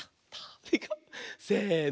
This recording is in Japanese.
せの。